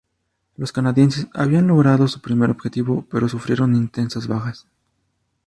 Los canadienses habían logrado su primer objetivo, pero sufrieron intensas bajas.